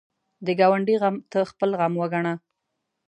د ګاونډي غم ته خپل غم وګڼه